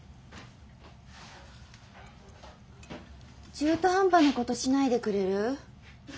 中途半端なことしないでくれる？